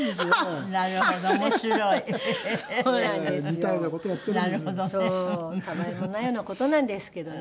たわいもないような事なんですけどね。